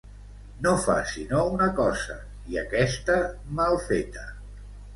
No fa sinó una cosa i aquesta mal feta.